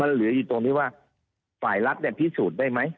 เหลืออยู่ตรงที่ว่าฝ่ายรัฐพิสูจน์ได้ไหม